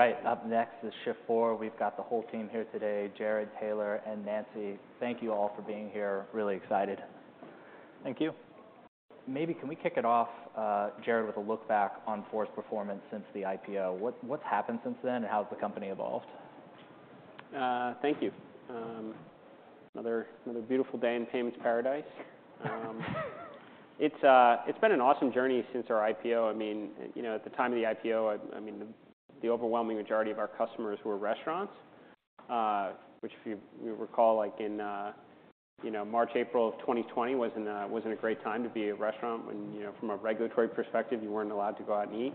All right, up next is Shift4. We've got the whole team here today, Jared, Taylor, and Nancy. Thank you all for being here. Really excited. Thank you. Maybe can we kick it off, Jared, with a look back on Q4 performance since the IPO? What, what's happened since then, and how has the company evolved? Thank you. Another beautiful day in payments paradise. It's been an awesome journey since our IPO. I mean, you know, at the time of the IPO, I mean, the overwhelming majority of our customers were restaurants, which if you recall, like in, you know, March, April of 2020 wasn't a great time to be a restaurant when, you know, from a regulatory perspective, you weren't allowed to go out and eat.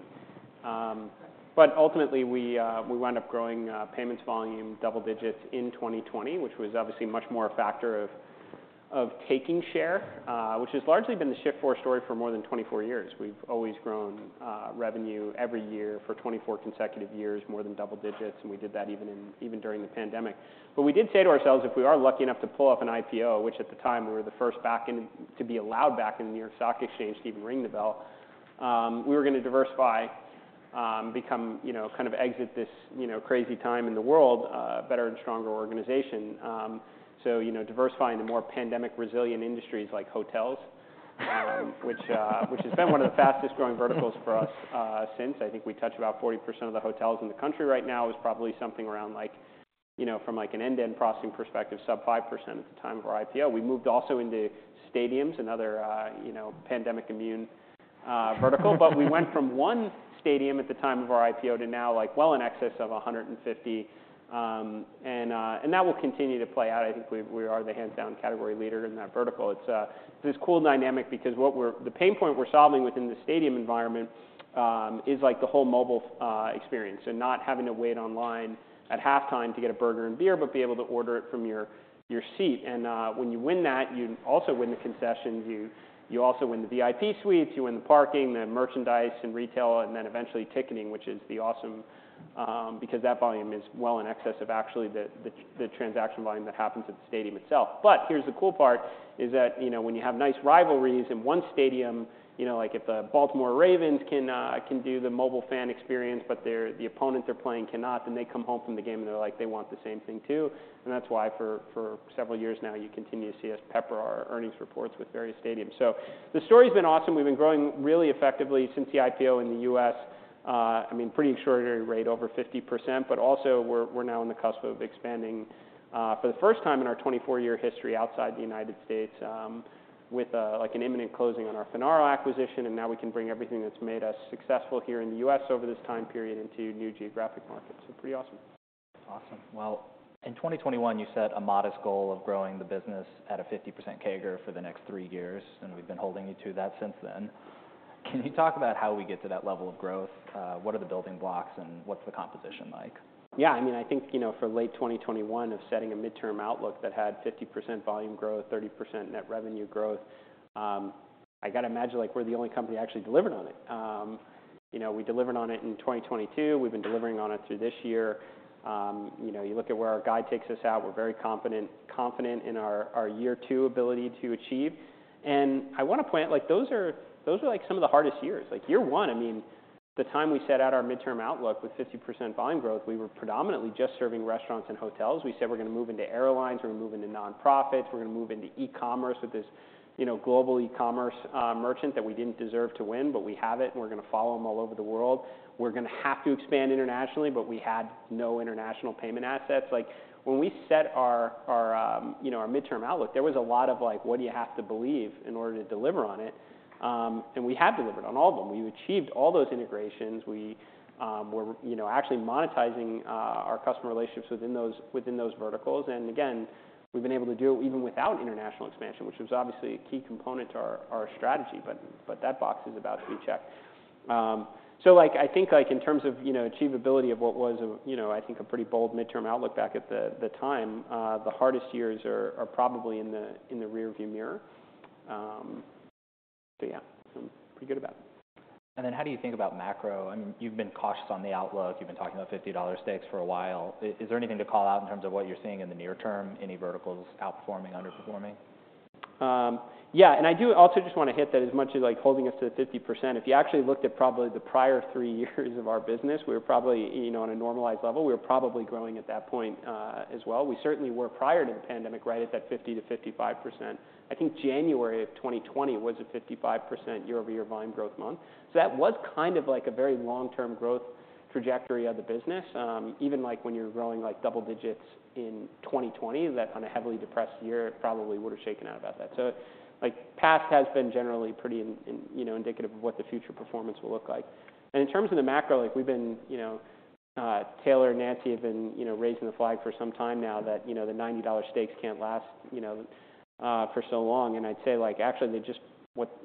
But ultimately, we wound up growing payments volume double digits in 2020, which was obviously much more a factor of taking share, which has largely been the Shift4 story for more than 24 years. We've always grown revenue every year for 24 consecutive years, more than double digits, and we did that even during the pandemic. But we did say to ourselves, if we are lucky enough to pull off an IPO, which at the time, we were the first back in the to be allowed back in the New York Stock Exchange to even ring the bell, we were going to diversify, become, you know, kind of exit this, you know, crazy time in the world, better and stronger organization. So, you know, diversifying to more pandemic-resilient industries like hotels, which has been one of the fastest growing verticals for us since. I think we touch about 40% of the hotels in the country right now. It was probably something around like, you know, from, like, an end-to-end processing perspective, sub 5% at the time of our IPO. We moved also into stadiums and other, you know, pandemic immune vertical. But we went from one stadium at the time of our IPO to now, like, well in excess of 150. And that will continue to play out. I think we are the hands-down category leader in that vertical. It's this cool dynamic because the pain point we're solving within the stadium environment is like the whole mobile experience, and not having to wait online at halftime to get a burger and beer, but be able to order it from your seat. And when you win that, you also win the concessions. You also win the VIP suites, you win the parking, the merchandise and retail, and then eventually ticketing, which is awesome because that volume is well in excess of actually the transaction volume that happens at the stadium itself. But here's the cool part, is that, you know, when you have nice rivalries in one stadium, you know, like if the Baltimore Ravens can do the mobile fan experience, but their, the opponent they're playing cannot, then they come home from the game and they're like, they want the same thing too. And that's why for several years now, you continue to see us pepper our earnings reports with various stadiums. So the story's been awesome. We've been growing really effectively since the IPO in the U.S. I mean, pretty extraordinary rate, over 50%, but also we're now on the cusp of expanding for the first time in our 24-year history outside the United States, with like an imminent closing on our Finaro acquisition, and now we can bring everything that's made us successful here in the U.S. over this time period into new geographic markets. So pretty awesome. Awesome. Well, in 2021, you set a modest goal of growing the business at a 50% CAGR for the next three years, and we've been holding you to that since then. Can you talk about how we get to that level of growth? What are the building blocks, and what's the composition like? Yeah, I mean, I think, you know, for late 2021, of setting a midterm outlook that had 50% volume growth, 30% net revenue growth, I got to imagine, like, we're the only company that actually delivered on it. You know, we delivered on it in 2022. We've been delivering on it through this year. You know, you look at where our guide takes us out, we're very confident, confident in our, our year two ability to achieve. And I want to point, like, those are, those are like some of the hardest years. Like year one, I mean, the time we set out our midterm outlook with 50% volume growth, we were predominantly just serving restaurants and hotels. We said, we're going to move into airlines, we're going to move into nonprofits, we're going to move into e-commerce with this, you know, global e-commerce merchant that we didn't deserve to win, but we have it, and we're going to follow them all over the world. We're going to have to expand internationally, but we had no international payment assets. Like, when we set our, our, you know, our midterm outlook, there was a lot of like: What do you have to believe in order to deliver on it? And we have delivered on all of them. We've achieved all those integrations. We, we're, you know, actually monetizing our customer relationships within those, within those verticals. And again, we've been able to do it even without international expansion, which was obviously a key component to our strategy, but that box is about to be checked. So like, I think, like in terms of, you know, achievability of what was a, you know, I think a pretty bold midterm outlook back at the time, the hardest years are probably in the rearview mirror. So yeah, I'm pretty good about it. Then how do you think about macro? I mean, you've been cautious on the outlook. You've been talking about $50 steaks for a while. Is there anything to call out in terms of what you're seeing in the near term, any verticals outperforming, underperforming? Yeah, and I do also just want to hit that as much as like holding us to the 50%. If you actually looked at probably the prior three years of our business, we were probably, you know, on a normalized level, we were probably growing at that point, as well. We certainly were prior to the pandemic, right at that 50%-55%. I think January of 2020 was a 55% year-over-year volume growth month. So that was kind of like a very long-term growth trajectory of the business. Even like when you're growing like double digits in 2020, that on a heavily depressed year, it probably would have shaken out about that. So, like, past has been generally pretty in line, you know, indicative of what the future performance will look like. In terms of the macro, like we've been, you know, Taylor and Nancy have been, you know, raising the flag for some time now that, you know, the $90 steaks can't last, you know, for so long. And I'd say, like, actually, they just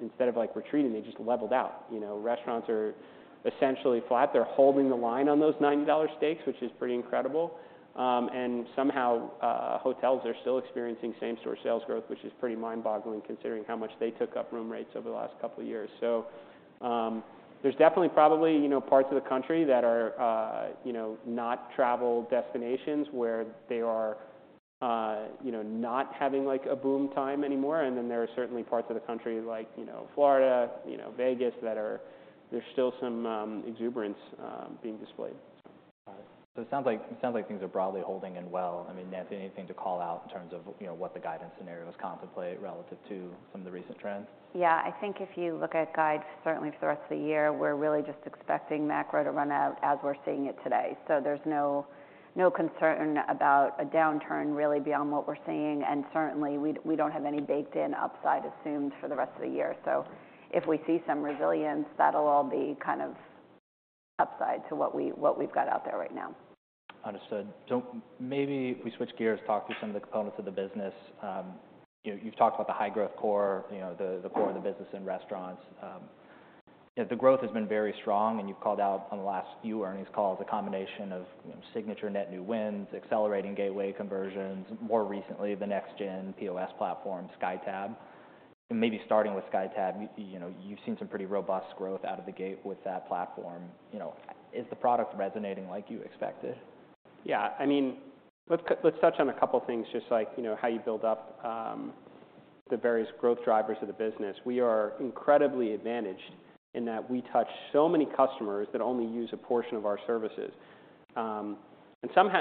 instead of, like, retreating, they just leveled out. You know, restaurants are essentially flat. They're holding the line on those $90 steaks, which is pretty incredible. And somehow, hotels are still experiencing same-store sales growth, which is pretty mind-boggling, considering how much they took up room rates over the last couple of years. So, there's definitely probably, you know, parts of the country that are, you know, not travel destinations where you know, not having, like, a boom time anymore. There are certainly parts of the country like, you know, Florida, you know, Vegas, that are. There's still some exuberance being displayed. Got it. So it sounds like, it sounds like things are broadly holding in well. I mean, Nancy, anything to call out in terms of, you know, what the guidance scenarios contemplate relative to some of the recent trends? Yeah, I think if you look at guides, certainly for the rest of the year, we're really just expecting macro to run out as we're seeing it today. So there's no concern about a downturn really beyond what we're seeing. Certainly, we don't have any baked-in upside assumed for the rest of the year. So if we see some resilience, that'll all be kind of upside to what we've got out there right now. Understood. So maybe if we switch gears, talk through some of the components of the business. You know, you've talked about the high growth core, you know, the core of the business in restaurants. The growth has been very strong, and you've called out on the last few earnings calls a combination of, you know, signature net new wins, accelerating gateway conversions, more recently, the next gen POS platform, SkyTab. Maybe starting with SkyTab, you know, you've seen some pretty robust growth out of the gate with that platform. You know, is the product resonating like you expected? Yeah. I mean, let's touch on a couple of things, just like, you know, how you build up, the various growth drivers of the business. We are incredibly advantaged in that we touch so many customers that only use a portion of our services.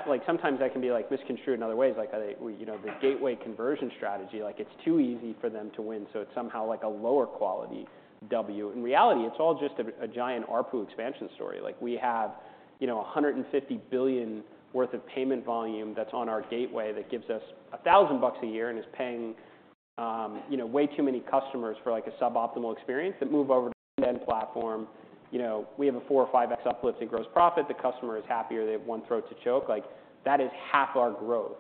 Like, sometimes that can be, like, misconstrued in other ways, like, you know, the gateway conversion strategy. Like, it's too easy for them to win, so it's somehow like a lower quality W. In reality, it's all just a giant ARPU expansion story. Like, we have, you know, $150 billion worth of payment volume that's on our gateway that gives us $1,000 a year and is paying, you know, way too many customers for, like, a suboptimal experience that move over to the end platform. You know, we have a four or 5x uplift in gross profit. The customer is happier. They have one throat to choke. Like, that is half our growth,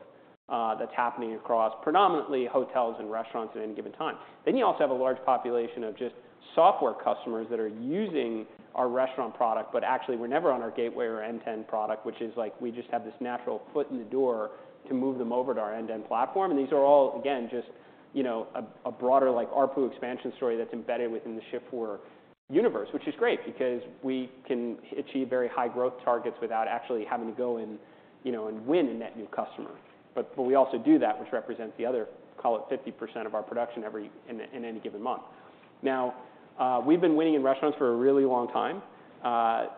that's happening across predominantly hotels and restaurants at any given time. Then you also have a large population of just software customers that are using our restaurant product, but actually were never on our gateway or N10 product, which is like we just have this natural foot in the door to move them over to our end-to-end platform. And these are all, again, just, you know, a, a broader like ARPU expansion story that's embedded within the Shift4 universe. Which is great because we can achieve very high growth targets without actually having to go in, you know, and win a net new customer. But we also do that, which represents the other, call it 50% of our production every in any given month. Now, we've been winning in restaurants for a really long time.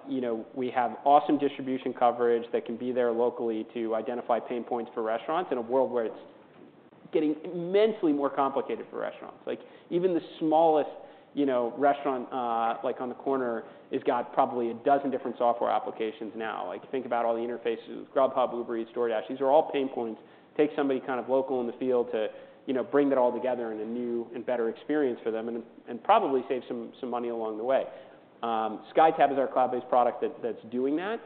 You know, we have awesome distribution coverage that can be there locally to identify pain points for restaurants in a world where it's getting immensely more complicated for restaurants. Like, even the smallest, you know, restaurant, like on the corner, has got probably a dozen different software applications now. Like, think about all the interfaces, Grubhub, Uber Eats, DoorDash. These are all pain points. Take somebody kind of local in the field to, you know, bring that all together in a new and better experience for them and probably save some money along the way. SkyTab is our cloud-based product that's doing that.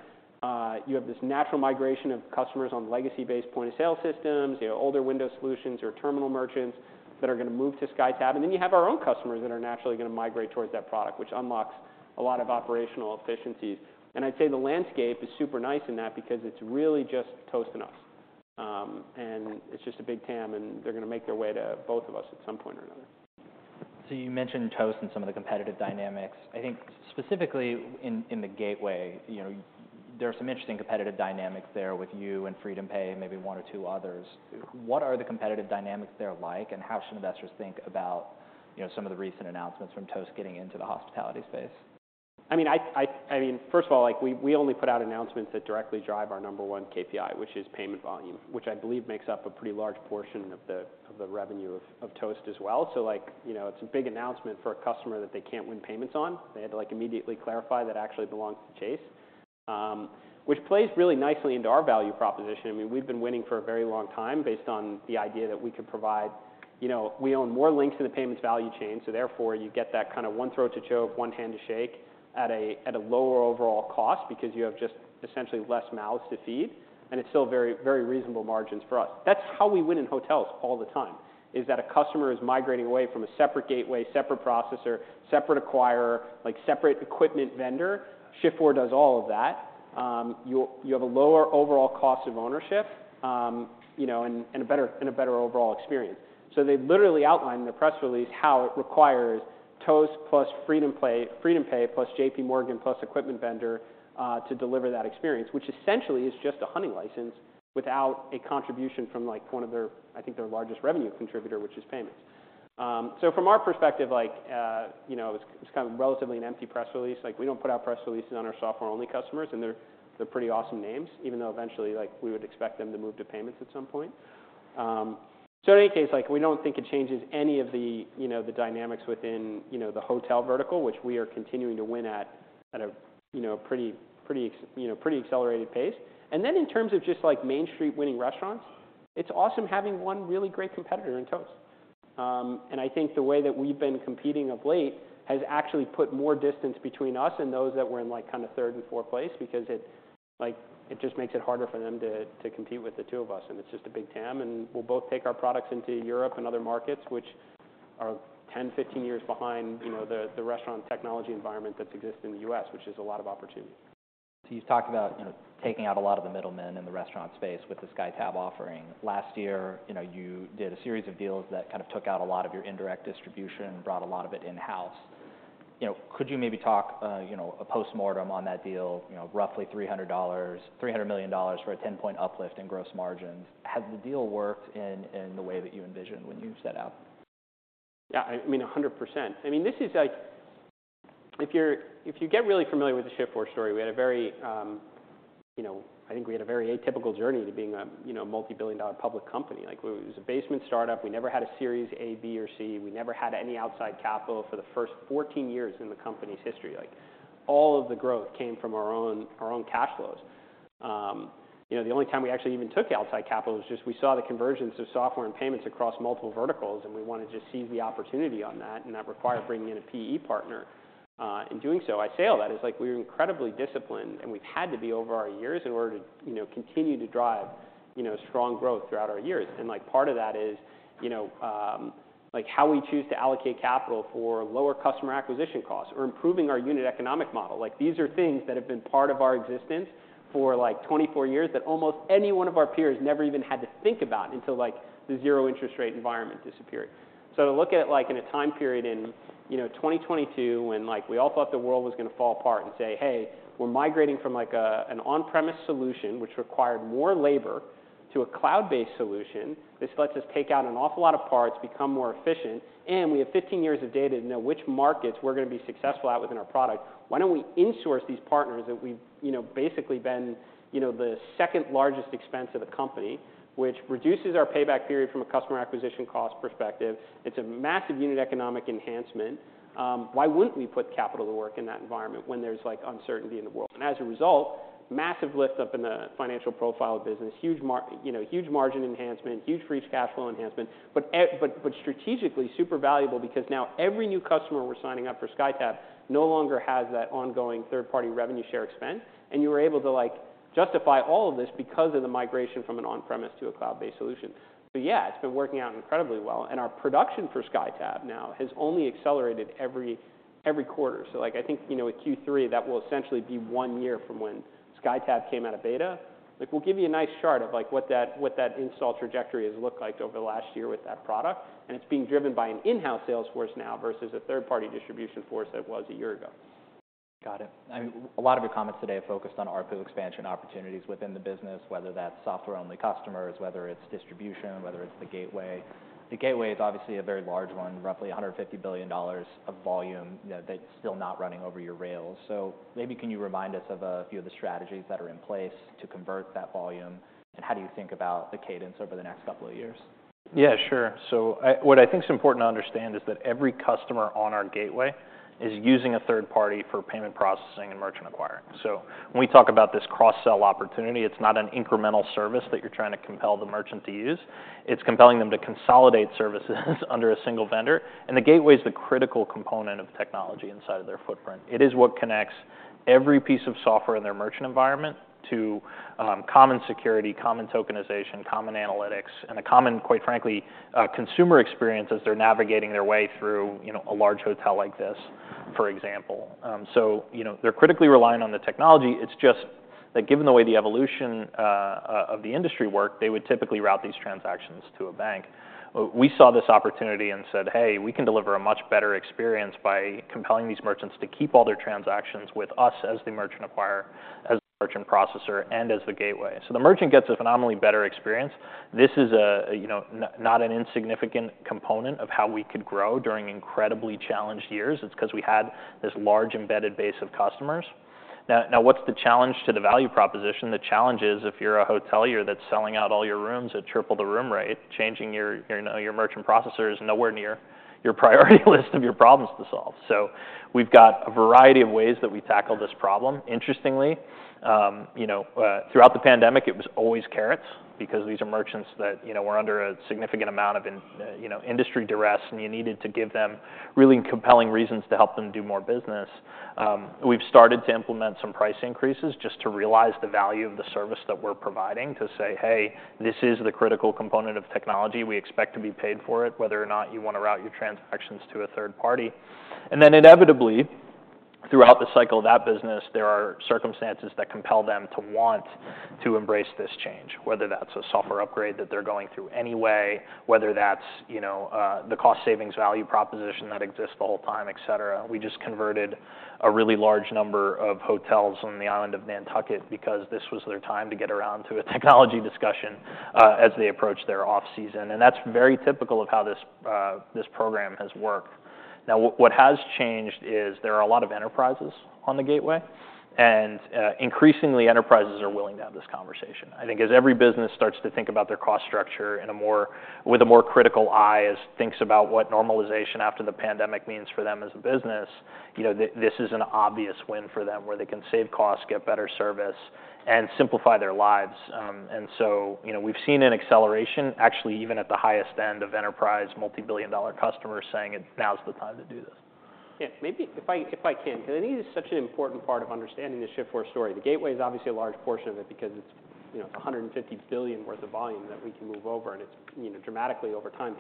You have this natural migration of customers on legacy-based point-of-sale systems, you know, older Windows solutions or terminal merchants that are going to move to SkyTab. And then you have our own customers that are naturally going to migrate towards that product, which unlocks a lot of operational efficiencies. And I'd say the landscape is super nice in that because it's really just Toast and us, and it's just a big TAM, and they're going to make their way to both of us at some point or another. You mentioned Toast and some of the competitive dynamics. I think specifically in the gateway, you know, there are some interesting competitive dynamics there with you and FreedomPay, maybe one or two others. What are the competitive dynamics there like, and how should investors think about, you know, some of the recent announcements from Toast getting into the hospitality space? I mean, first of all, like, we only put out announcements that directly drive our number one KPI, which is payment volume, which I believe makes up a pretty large portion of the revenue of Toast as well. So like, you know, it's a big announcement for a customer that they can't win payments on. They had to, like, immediately clarify that it actually belongs to Chase, which plays really nicely into our value proposition. I mean, we've been winning for a very long time based on the idea that we could provide... You know, we own more links to the payments value chain, so therefore, you get that kind of one throat to choke, one hand to shake at a lower overall cost because you have just essentially less mouths to feed, and it's still very, very reasonable margins for us. That's how we win in hotels all the time, is that a customer is migrating away from a separate gateway, separate processor, separate acquirer, like separate equipment vendor. Shift4 does all of that. You have a lower overall cost of ownership, you know, and a better, and a better overall experience. So they literally outlined in the press release how it requires Toast plus FreedomPay, plus J.P. Morgan, plus equipment vendor to deliver that experience, which essentially is just a hunting license without a contribution from, like, one of their, I think, their largest revenue contributor, which is payments. So from our perspective, like, you know, it's kind of relatively an empty press release. Like, we don't put out press releases on our software-only customers, and they're pretty awesome names, even though eventually, like, we would expect them to move to payments at some point. So in any case, like, we don't think it changes any of the, you know, the dynamics within, you know, the hotel vertical, which we are continuing to win at a, you know, pretty accelerated pace. Then in terms of just like Main Street winning restaurants, it's awesome having one really great competitor in Toast. And I think the way that we've been competing of late has actually put more distance between us and those that were in, like, kind of third and fourth place because it, like, it just makes it harder for them to compete with the two of us, and it's just a big TAM, and we'll both take our products into Europe and other markets, which are 10, 15 years behind, you know, the restaurant technology environment that exists in the U.S., which is a lot of opportunity. So you've talked about, you know, taking out a lot of the middlemen in the restaurant space with the SkyTab offering. Last year, you know, you did a series of deals that kind of took out a lot of your indirect distribution and brought a lot of it in-house. You know, could you maybe talk, you know, a postmortem on that deal? You know, roughly $300 million for a 10-point uplift in gross margins. Has the deal worked in the way that you envisioned when you set out? Yeah, I mean, 100%. I mean, this is like if you get really familiar with the Shift4 story, we had a very, you know, I think we had a very atypical journey to being a, you know, multi-billion-dollar public company. Like, we was a basement startup. We never had a Series A, B, or C. We never had any outside capital for the first 14 years in the company's history. Like, all of the growth came from our own, our own cash flows. You know, the only time we actually even took outside capital was just we saw the convergence of software and payments across multiple verticals, and we wanted to seize the opportunity on that, and that required bringing in a PE partner. In doing so, I say all that, it's like we were incredibly disciplined, and we've had to be over our years in order to, you know, continue to drive, you know, strong growth throughout our years. And like, part of that is, you know, like how we choose to allocate capital for lower customer acquisition costs or improving our unit economic model. Like, these are things that have been part of our existence for like 24 years, that almost any one of our peers never even had to think about until, like, the zero interest rate environment disappeared. So to look at it, like, in a time period in, you know, 2022, when like, we all thought the world was going to fall apart and say, "Hey, we're migrating from like a, an on-premise solution, which required more labor, to a cloud-based solution. This lets us take out an awful lot of parts, become more efficient, and we have 15 years of data to know which markets we're going to be successful at within our product. Why don't we insource these partners that we've, you know, basically been, you know, the second largest expense of the company, which reduces our payback period from a customer acquisition cost perspective? It's a massive unit economic enhancement. Why wouldn't we put capital to work in that environment when there's, like, uncertainty in the world? And as a result, massive lift up in the financial profile of business, huge, you know, huge margin enhancement, huge free cash flow enhancement, but strategically super valuable because now every new customer we're signing up for SkyTab no longer has that ongoing third-party revenue share expense. You were able to, like, justify all of this because of the migration from an on-premise to a cloud-based solution. So yeah, it's been working out incredibly well, and our production for SkyTab now has only accelerated every, every quarter. So like, I think, you know, with Q3, that will essentially be one year from when SkyTab came out of beta. Like, we'll give you a nice chart of like what that, what that install trajectory has looked like over the last year with that product, and it's being driven by an in-house sales force now versus a third-party distribution force that was a year ago. Got it. I mean, a lot of your comments today have focused on ARPU expansion opportunities within the business, whether that's software-only customers, whether it's distribution, whether it's the gateway. The gateway is obviously a very large one, roughly $150 billion of volume, you know, that's still not running over your rails. So maybe can you remind us of a few of the strategies that are in place to convert that volume, and how do you think about the cadence over the next couple of years? Yeah, sure. What I think is important to understand is that every customer on our gateway is using a third party for payment processing and merchant acquiring. So when we talk about this cross-sell opportunity, it's not an incremental service that you're trying to compel the merchant to use. It's compelling them to consolidate services under a single vendor, and the gateway is the critical component of technology inside of their footprint. It is what connects every piece of software in their merchant environment to common security, common tokenization, common analytics, and a common, quite frankly, a consumer experience as they're navigating their way through, you know, a large hotel like this, for example. So, you know, they're critically relying on the technology. It's just that given the way the evolution of the industry work, they would typically route these transactions to a bank. We saw this opportunity and said, "Hey, we can deliver a much better experience by compelling these merchants to keep all their transactions with us as the merchant acquirer, as the merchant processor, and as the gateway." So the merchant gets a phenomenally better experience. This is a, you know, not an insignificant component of how we could grow during incredibly challenged years. It's because we had this large embedded base of customers. Now, what's the challenge to the value proposition? The challenge is if you're a hotelier that's selling out all your rooms at triple the room rate, changing your merchant processor is nowhere near your priority list of your problems to solve. So we've got a variety of ways that we tackle this problem. Interestingly, you know, throughout the pandemic, it was always carrots because these are merchants that, you know, were under a significant amount of, you know, industry duress, and you needed to give them really compelling reasons to help them do more business. We've started to implement some price increases just to realize the value of the service that we're providing, to say, "Hey, this is the critical component of technology. We expect to be paid for it, whether or not you want to route your transactions to a third party." And then inevitably, throughout the cycle of that business, there are circumstances that compel them to want to embrace this change, whether that's a software upgrade that they're going through anyway, whether that's, you know, the cost savings value proposition that exists the whole time, et cetera. We just converted a really large number of hotels on the island of Nantucket because this was their time to get around to a technology discussion, as they approach their off-season, and that's very typical of how this, this program has worked. Now, what has changed is there are a lot of enterprises on the Gateway, and increasingly, enterprises are willing to have this conversation. I think as every business starts to think about their cost structure in a more with a more critical eye, as it thinks about what normalization after the pandemic means for them as a business, you know, this is an obvious win for them, where they can save costs, get better service, and simplify their lives. And so, you know, we've seen an acceleration, actually, even at the highest end of enterprise, multi-billion dollar customers saying it's now's the time to do this. Yeah, maybe if I, if I can, because I think it's such an important part of understanding the Shift4 story. The gateway is obviously a large portion of it because it's, you know, $150 billion worth of volume that we can move over, and it's, you know, dramatically over time,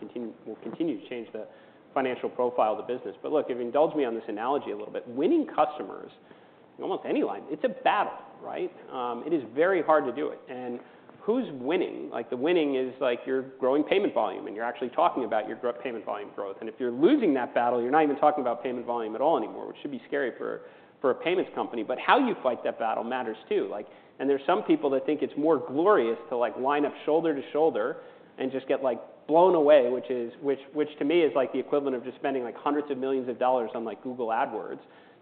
will continue to change the financial profile of the business. But look, if you indulge me on this analogy a little bit, winning customers in almost any line. It's a battle, right? It is very hard to do it. And who's winning? Like, the winning is, like, you're growing payment volume, and you're actually talking about your payment volume growth. If you're losing that battle, you're not even talking about payment volume at all anymore, which should be scary for a payments company. But how you fight that battle matters, too. Like, there's some people that think it's more glorious to, like, line up shoulder to shoulder and just get, like, blown away, which to me is like the equivalent of just spending, like, hundreds of millions of dollars on, like, Google Ads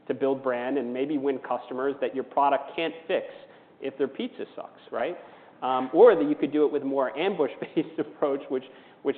to build brand and maybe win customers that your product can't fix if their pizza sucks, right? Or that you could do it with a more ambush-based approach, which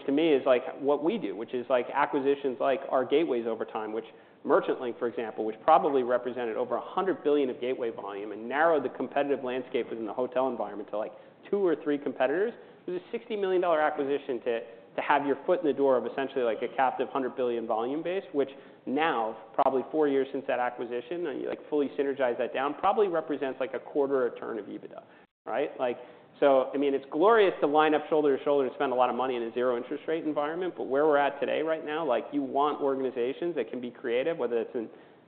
to me is like what we do, which is like acquisitions, like our gateways over time. Which Merchant Link, for example, which probably represented over 100 billion of gateway volume and narrowed the competitive landscape within the hotel environment to, like, two or three competitors. It was a $60 million acquisition to have your foot in the door of essentially, like, a captive 100 billion volume base, which now, probably four years since that acquisition, and you, like, fully synergize that down, probably represents, like, a quarter-turn of EBITDA, right? Like, so, I mean, it's glorious to line up shoulder to shoulder and spend a lot of money in a zero interest rate environment, but where we're at today right now, like, you want organizations that can be creative, whether it's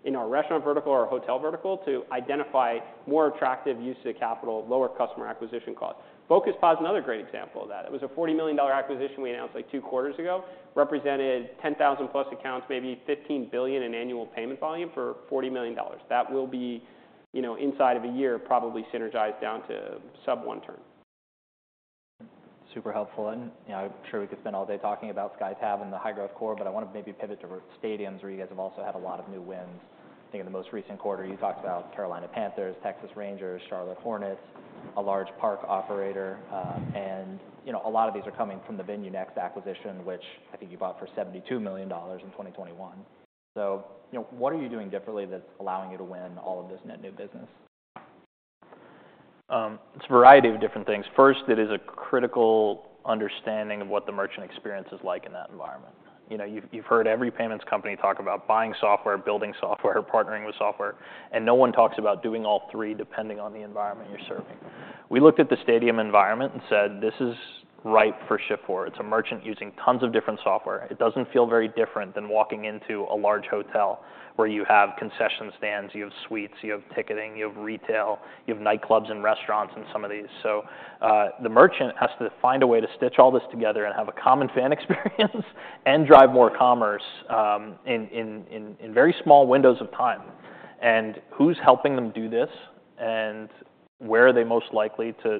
in our restaurant vertical or hotel vertical, to identify more attractive uses of capital, lower customer acquisition costs. Focus POS is another great example of that. It was a $40 million acquisition we announced, like, two quarters ago, represented 10,000+ accounts, maybe $15 billion in annual payment volume for $40 million. That will be, you know, inside of a year, probably synergized down to sub one turn. Super helpful, and, you know, I'm sure we could spend all day talking about SkyTab and the high growth core, but I want to maybe pivot to stadiums, where you guys have also had a lot of new wins. I think in the most recent quarter, you talked about Carolina Panthers, Texas Rangers, Charlotte Hornets, a large park operator, and, you know, a lot of these are coming from the VenueNext acquisition, which I think you bought for $72 million in 2021. So, you know, what are you doing differently that's allowing you to win all of this net new business? It's a variety of different things. First, it is a critical understanding of what the merchant experience is like in that environment. You know, you've heard every payments company talk about buying software, building software, partnering with software, and no one talks about doing all three, depending on the environment you're serving. We looked at the stadium environment and said, "This is ripe for Shift4. It's a merchant using tons of different software." It doesn't feel very different than walking into a large hotel where you have concession stands, you have suites, you have ticketing, you have retail, you have nightclubs and restaurants in some of these. So, the merchant has to find a way to stitch all this together and have a common fan experience and drive more commerce, in very small windows of time. And who's helping them do this? Where are they most likely to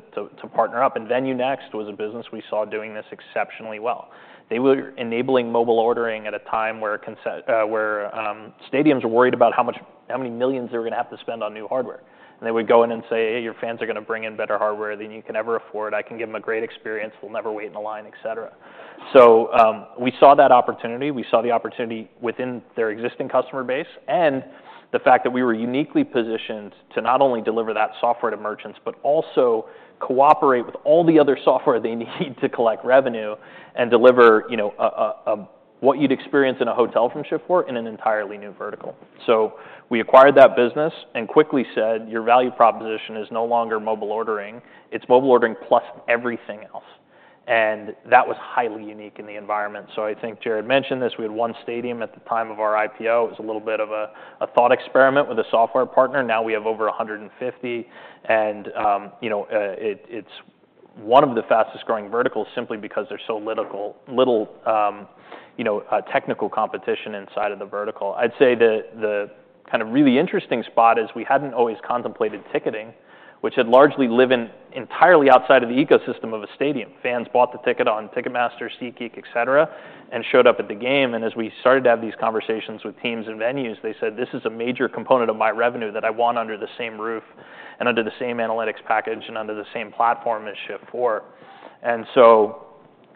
partner up? VenueNext was a business we saw doing this exceptionally well. They were enabling mobile ordering at a time where stadiums were worried about how many millions they were going to have to spend on new hardware. They would go in and say, "Hey, your fans are going to bring in better hardware than you can ever afford. I can give them a great experience. They'll never wait in a line, et cetera." We saw that opportunity. We saw the opportunity within their existing customer base and the fact that we were uniquely positioned to not only deliver that software to merchants, but also cooperate with all the other software they need to collect revenue and deliver, you know, a what you'd experience in a hotel from Shift4 in an entirely new vertical. So we acquired that business and quickly said, "Your value proposition is no longer mobile ordering. It's mobile ordering plus everything else." And that was highly unique in the environment. So I think Jared mentioned this, we had one stadium at the time of our IPO. It was a little bit of a thought experiment with a software partner. Now we have over 150, and, you know, it's one of the fastest growing verticals simply because they're so little technical competition inside of the vertical. I'd say the kind of really interesting spot is we hadn't always contemplated ticketing, which had largely lived entirely outside of the ecosystem of a stadium. Fans bought the ticket on Ticketmaster, SeatGeek, et cetera, and showed up at the game, and as we started to have these conversations with teams and venues, they said, "This is a major component of my revenue that I want under the same roof and under the same analytics package and under the same platform as Shift4." And so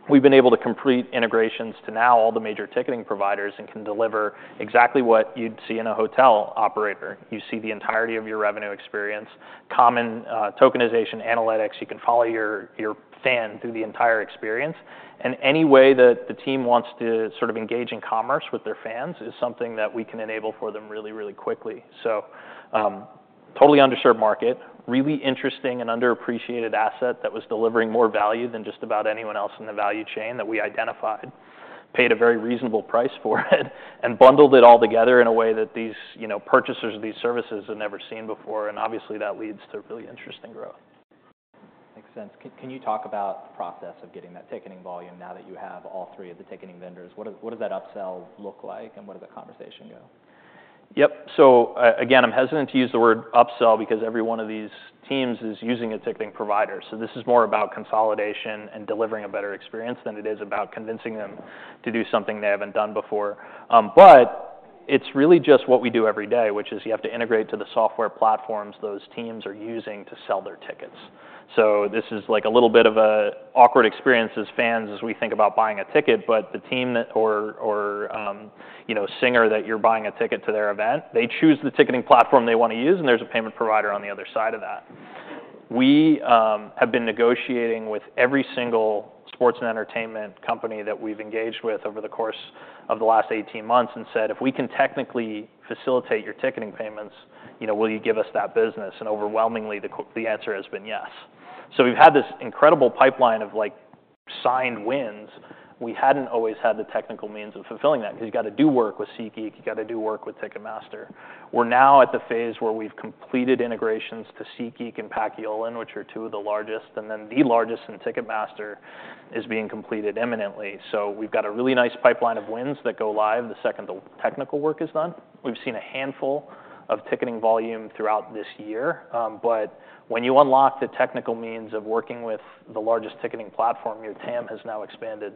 we've been able to complete integrations to now all the major ticketing providers and can deliver exactly what you'd see in a hotel operator. You see the entirety of your revenue experience, common tokenization, analytics. You can follow your fan through the entire experience, and any way that the team wants to sort of engage in commerce with their fans is something that we can enable for them really, really quickly. So, totally underserved market, really interesting and underappreciated asset that was delivering more value than just about anyone else in the value chain that we identified, paid a very reasonable price for it, and bundled it all together in a way that these, you know, purchasers of these services have never seen before. And obviously, that leads to really interesting growth. Makes sense. Can you talk about the process of getting that ticketing volume now that you have all three of the ticketing vendors? What does that upsell look like, and what does the conversation go? Yep. So, again, I'm hesitant to use the word upsell because every one of these teams is using a ticketing provider. So this is more about consolidation and delivering a better experience than it is about convincing them to do something they haven't done before. But it's really just what we do every day, which is you have to integrate to the software platforms those teams are using to sell their tickets. So this is like a little bit of a awkward experience as fans, as we think about buying a ticket, but the team that or you know singer that you're buying a ticket to their event, they choose the ticketing platform they want to use, and there's a payment provider on the other side of that. We have been negotiating with every single sports and entertainment company that we've engaged with over the course of the last 18 months and said, "If we can technically facilitate your ticketing payments, you know, will you give us that business?" And overwhelmingly, the answer has been yes. So we've had this incredible pipeline of signed wins, we hadn't always had the technical means of fulfilling that, because you've got to do work with SeatGeek, you've got to do work with Ticketmaster. We're now at the phase where we've completed integrations to SeatGeek and Paciolan, which are two of the largest, and then the largest in Ticketmaster is being completed imminently. So we've got a really nice pipeline of wins that go live the second the technical work is done. We've seen a handful of ticketing volume throughout this year, but when you unlock the technical means of working with the largest ticketing platform, your TAM has now expanded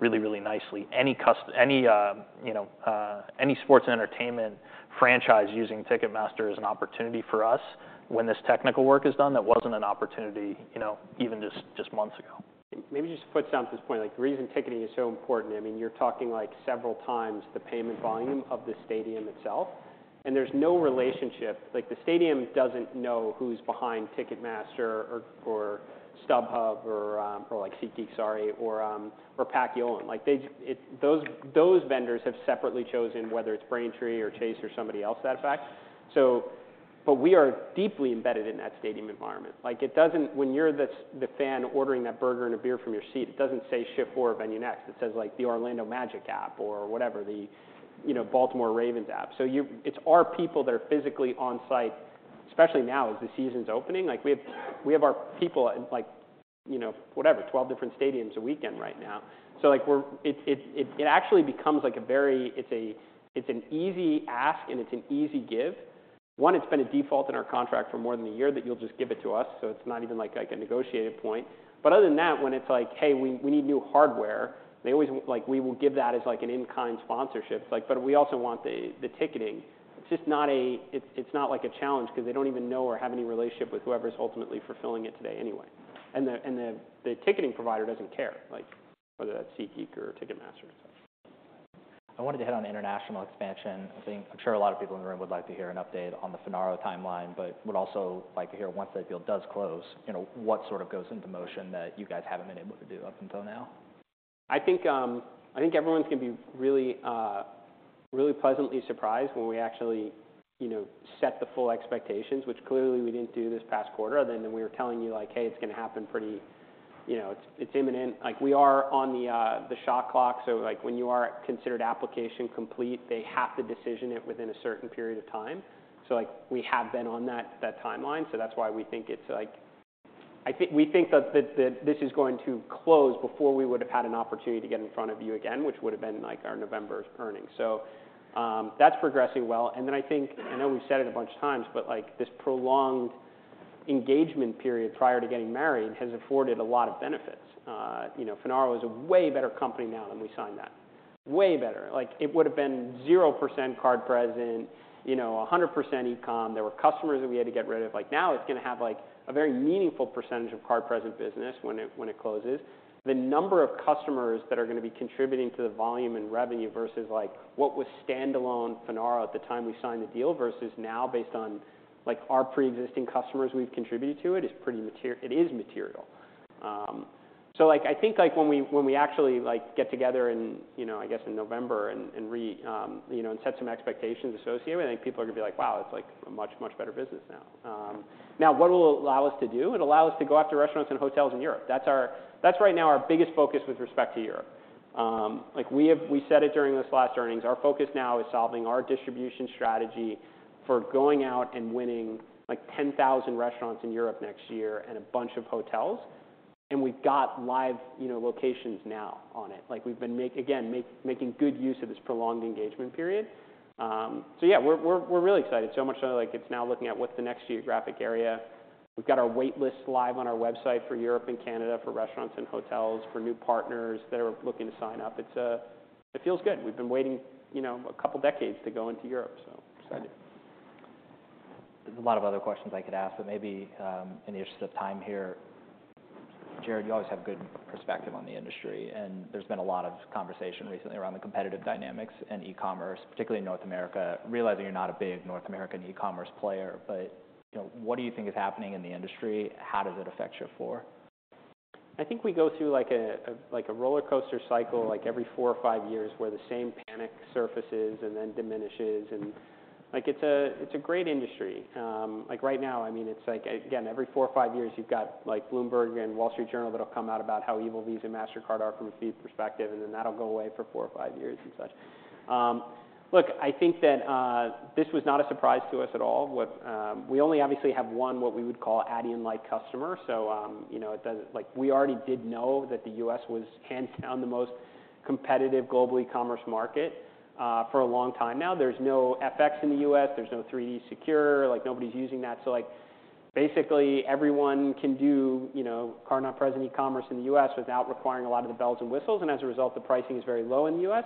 really, really nicely. Any, you know, any sports and entertainment franchise using Ticketmaster is an opportunity for us when this technical work is done. That wasn't an opportunity, you know, even just, just months ago. Maybe just to put some to this point, like, the reason ticketing is so important. I mean, you're talking, like, several times the payment volume of the stadium itself, and there's no relationship. Like, the stadium doesn't know who's behind Ticketmaster or StubHub or SeatGeek or Paciolan. Like, those vendors have separately chosen whether it's Braintree or Chase or somebody else, that effect. So but we are deeply embedded in that stadium environment. Like, it doesn't, when you're the fan ordering that burger and a beer from your seat, it doesn't say Shift4 or VenueNext. It says, like, the Orlando Magic app or whatever, the, you know, Baltimore Ravens app. So it's our people that are physically on site, especially now as the season's opening. Like, we have our people at, like, you know, whatever, 12 different stadiums a weekend right now. So, like, we're – it actually becomes like a very... It's an easy ask and it's an easy give. One, it's been a default in our contract for more than a year that you'll just give it to us, so it's not even, like, a negotiated point. But other than that, when it's like: "Hey, we need new hardware," they always – like, we will give that as, like, an in-kind sponsorship. Like, but we also want the ticketing. It's just not a – it's not like a challenge because they don't even know or have any relationship with whoever's ultimately fulfilling it today anyway. And the ticketing provider doesn't care, like, whether that's SeatGeek or Ticketmaster. I wanted to hit on international expansion. I think I'm sure a lot of people in the room would like to hear an update on the Finaro timeline, but would also like to hear, once that deal does close, you know, what sort of goes into motion that you guys haven't been able to do up until now? I think, I think everyone's going to be really, really pleasantly surprised when we actually, you know, set the full expectations, which clearly we didn't do this past quarter. Then we were telling you, like: "Hey, it's going to happen pretty... You know, it's imminent." Like, we are on the shot clock, so, like, when you are considered application complete, they have to decision it within a certain period of time. So, like, we have been on that timeline, so that's why we think it's like. I think we think that this is going to close before we would have had an opportunity to get in front of you again, which would have been, like, our November's earnings. So, that's progressing well. I think, I know we've said it a bunch of times, but, like, this prolonged engagement period prior to getting married has afforded a lot of benefits. You know, Finaro is a way better company now than we signed that. Way better! Like, it would have been 0% card-present, you know, 100% e-com. There were customers that we had to get rid of. Like, now it's going to have, like, a very meaningful percentage of card-present business when it, when it closes. The number of customers that are going to be contributing to the volume and revenue versus, like, what was standalone Finaro at the time we signed the deal versus now, based on, like, our pre-existing customers we've contributed to it, is pretty—it is material. So like, I think, like, when we, when we actually, like, get together in, you know, I guess in November, and set some expectations associated, I think people are going to be like: "Wow, it's like a much, much better business now." Now, what it will allow us to do? It allows us to go after restaurants and hotels in Europe. That's our-- that's right now our biggest focus with respect to Europe. Like we have-- we said it during this last earnings, our focus now is solving our distribution strategy for going out and winning, like, 10,000 restaurants in Europe next year and a bunch of hotels, and we've got live, you know, locations now on it. Like, we've been making good use of this prolonged engagement period. So yeah, we're really excited, so much so, like, it's now looking at what's the next geographic area. We've got our wait list live on our website for Europe and Canada, for restaurants and hotels, for new partners that are looking to sign up. It feels good. We've been waiting, you know, a couple decades to go into Europe, so excited. There's a lot of other questions I could ask, but maybe, in the interest of time here, Jared, you always have good perspective on the industry, and there's been a lot of conversation recently around the competitive dynamics in e-commerce, particularly in North America. Realizing you're not a big North American e-commerce player, but, you know, what do you think is happening in the industry? How does it affect Shift4? I think we go through like a, like a roller coaster cycle, like, every four or five years, where the same panic surfaces and then diminishes and... Like, it's a, it's a great industry. Like, right now, I mean, it's like, again, every four or five years, you've got, like, Bloomberg and Wall Street Journal that'll come out about how evil Visa and Mastercard are from a fee perspective, and then that'll go away for four or five years and such. Look, I think that this was not a surprise to us at all. What we only obviously have one, what we would call Adyen-like customer. So, you know, it doesn't... Like, we already did know that the U.S. was hands down the most competitive global e-commerce market for a long time now. There's no FX in the U.S., there's no 3D Secure. Like, nobody's using that. So, like, basically, everyone can do, you know, card not present e-commerce in the U.S. without requiring a lot of the bells and whistles, and as a result, the pricing is very low in the U.S.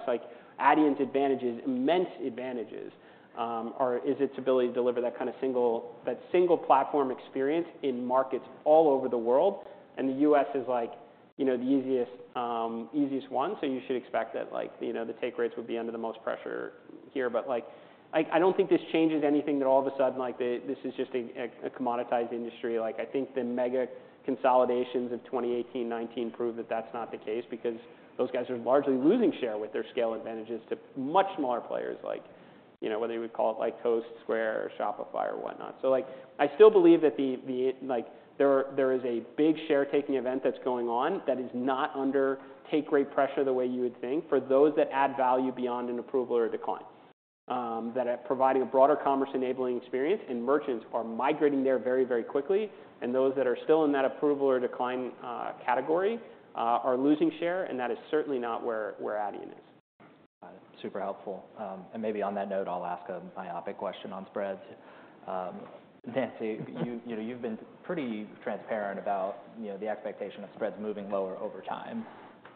Like, Adyen's advantages, immense advantages, are is its ability to deliver that kind of single, that single platform experience in markets all over the world, and the U.S. is like, you know, the easiest, easiest one. So you should expect that like, you know, the take rates would be under the most pressure here. But, like, I, I don't think this changes anything that all of a sudden, like, this is just a commoditized industry. Like, I think the mega consolidations of 2018, 2019 proved that that's not the case, because those guys are largely losing share with their scale advantages to much smaller players like... you know, whether you would call it like Toast, Square, or Shopify or whatnot. So, like, I still believe that there is a big share taking event that's going on that is not under take rate pressure the way you would think, for those that add value beyond an approval or decline, that are providing a broader commerce-enabling experience, and merchants are migrating there very, very quickly, and those that are still in that approval or decline category are losing share, and that is certainly not where Adyen is. Got it. Super helpful. Maybe on that note, I'll ask a myopic question on spreads. Nancy, you know, you've been pretty transparent about, you know, the expectation of spreads moving lower over time.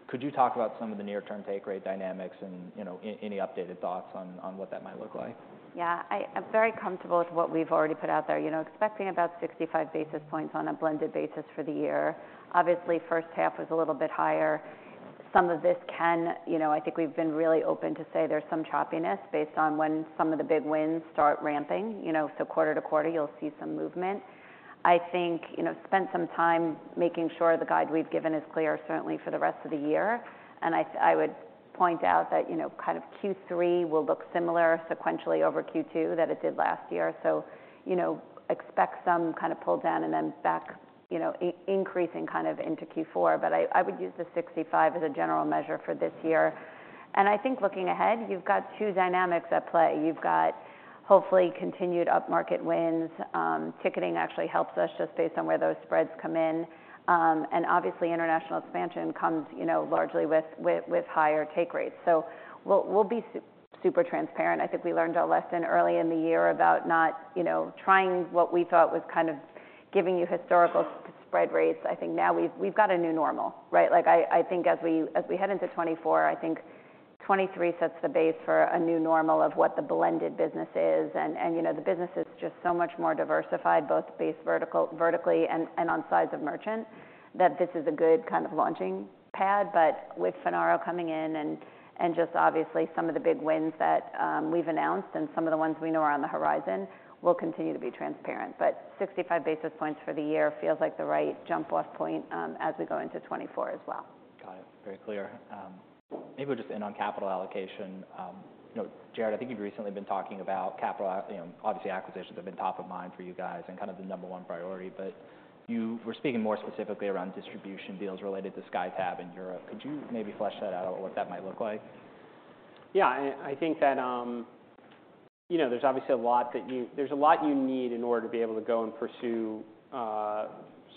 Could you talk about some of the near-term take rate dynamics and, you know, any updated thoughts on what that might look like? Yeah. I'm very comfortable with what we've already put out there. You know, expecting about 65 basis points on a blended basis for the year. Obviously, first half was a little bit higher. Some of this can... You know, I think we've been really open to say there's some choppiness based on when some of the big wins start ramping. You know, so quarter to quarter, you'll see some movement. I think, you know, spent some time making sure the guide we've given is clear, certainly for the rest of the year, and I would point out that, you know, kind of Q3 will look similar sequentially over Q2 than it did last year. So, you know, expect some kind of pull down and then back, you know, increasing kind of into Q4. But I would use the 65 as a general measure for this year. And I think looking ahead, you've got two dynamics at play. You've got, hopefully, continued up-market wins. Ticketing actually helps us just based on where those spreads come in. And obviously, international expansion comes, you know, largely with higher take rates. So we'll be super transparent. I think we learned our lesson early in the year about not, you know, trying what we thought was kind of giving you historical spread rates. I think now we've got a new normal, right? Like, I, I think as we, as we head into 2024, I think 2023 sets the base for a new normal of what the blended business is, and, and, you know, the business is just so much more diversified, both by vertical, vertically and, and on size of merchant, that this is a good kind of launching pad. But with Finaro coming in and, and just obviously some of the big wins that we've announced and some of the ones we know are on the horizon, we'll continue to be transparent. But 65 basis points for the year feels like the right jump-off point, as we go into 2024 as well. Got it. Very clear. Maybe we'll just end on capital allocation. You know, Jared, I think you've recently been talking about capital out. You know, obviously, acquisitions have been top of mind for you guys and kind of the number one priority, but you were speaking more specifically around distribution deals related to SkyTab in Europe. Could you maybe flesh that out or what that might look like? Yeah, I think that, you know, there's obviously a lot you need in order to be able to go and pursue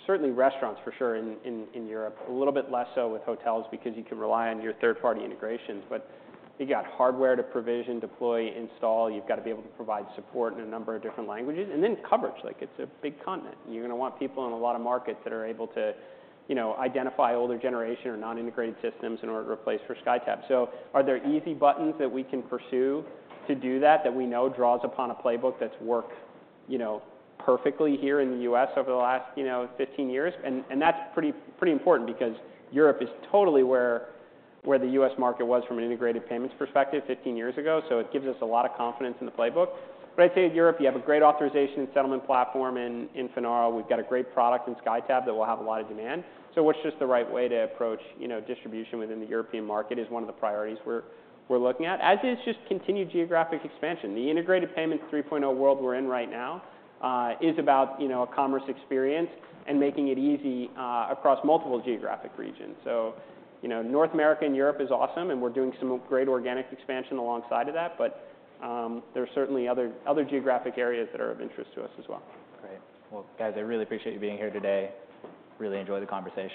certainly restaurants for sure in Europe. A little bit less so with hotels, because you can rely on your third-party integrations, but you got hardware to provision, deploy, install. You've got to be able to provide support in a number of different languages, and then coverage. Like, it's a big continent, and you're gonna want people in a lot of markets that are able to, you know, identify older generation or non-integrated systems in order to replace for SkyTab. So are there easy buttons that we can pursue to do that, that we know draws upon a playbook that's worked, you know, perfectly here in the US over the last 15 years? And that's pretty important because Europe is totally where the U.S. market was from an integrated payments perspective 15 years ago, so it gives us a lot of confidence in the playbook. But I'd say in Europe, you have a great authorization and settlement platform in Finaro. We've got a great product in SkyTab that will have a lot of demand. So what's just the right way to approach, you know, distribution within the European market is one of the priorities we're looking at, as is just continued geographic expansion. The integrated payments 3.0 world we're in right now is about, you know, a commerce experience and making it easy across multiple geographic regions. You know, North America and Europe is awesome, and we're doing some great organic expansion alongside of that, but there are certainly other geographic areas that are of interest to us as well. Great. Well, guys, I really appreciate you being here today. Really enjoyed the conversation.